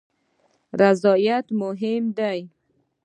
رضایت مهم دی